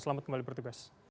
selamat kembali bertugas